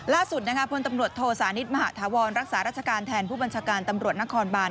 ล่าสุดพลตำรวจโทสานิทมหาธาวรรักษาราชการแทนผู้บัญชาการตำรวจนครบาน